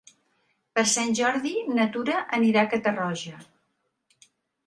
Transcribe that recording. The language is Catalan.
Per Sant Jordi na Tura anirà a Catarroja.